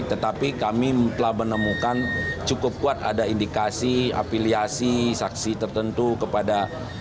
tetapi kami telah menemukan cukup kuat ada indikasi afiliasi saksi tertentu kepada